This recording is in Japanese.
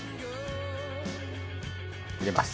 入れます。